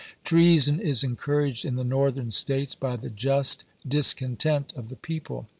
Treason is encouraged in the Northern States by the just discontent of the people.